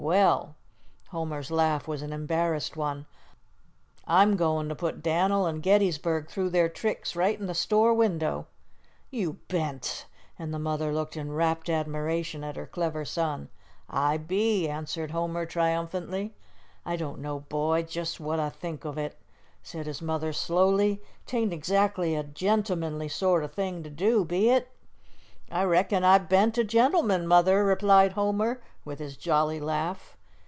Well!" Homer's laugh was an embarrassed one. "I'm goin' to put Dan'l an' Gettysburg through their tricks right in the store window." "You ben't?" and the mother looked in rapt admiration at her clever son. "I be!" answered Homer, triumphantly. "I don't know, boy, jest what I think o' it," said his mother, slowly. "'Tain't exactly a a gentlemanly sort o' thing to do; be it?" "I reckon I ben't a gentleman, Mother," replied Homer, with his jolly laugh.